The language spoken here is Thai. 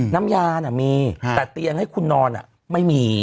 น้ำยาน่ะมีแต่เตียงให้คุณนอนไม่มี